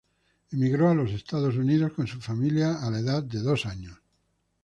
Emigró a los Estados Unidos con su familia a la edad de dos años.